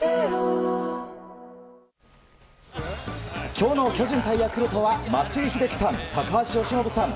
今日の巨人対ヤクルトは松井秀喜さん高橋由伸さん